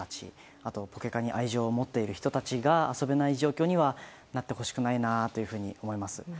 あと、ポケカに愛情を持っている人たちが遊べない状況にはなってほしくないなと思います。